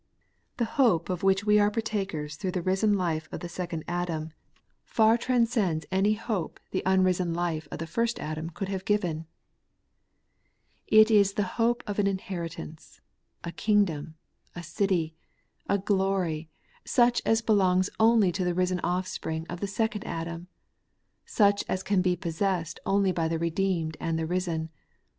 The hope of which we are partakers through the risen life of the second Adam far transcends any hope which 140 The Everlasting Righteousness, the uiirisen life of the first Adam could have given. It is the hope of an inheritance, a kingdom, a city, a glory, such as belongs only to the risen offspring of the second Adam, such as can be possessed only by the redeemed and the risen.